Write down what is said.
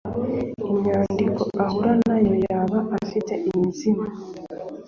Imyandiko ahura na yo, yaba ifite imizi mu